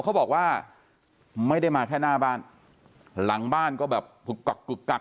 เขาบอกว่าไม่ได้มาแค่หน้าบ้านหลังบ้านก็แบบกุกกักกุกกัก